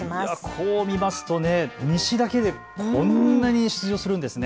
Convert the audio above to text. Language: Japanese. こう見ますと西だけでこんなに出場するんですね。